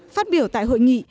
phát biểu tại hội nghị